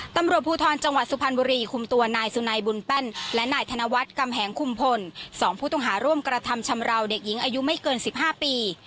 ตำรวจภูทรจังหวัดสุพรรณบุรีคุมตัวนายสุนัยบุญแป้นและนายธนวัฒน์กำแหงคุมพล๒ผู้ต้องหาร่วมกระทำชำราวเด็กหญิงอายุไม่เกิน๑๕ปี